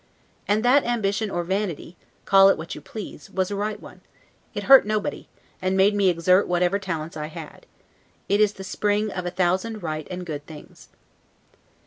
And that ambition or vanity, call it what you please, was a right one; it hurt nobody, and made me exert whatever talents I had. It is the spring of a thousand right and good things.